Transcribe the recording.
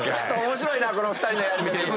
面白いなこの２人のやりとり。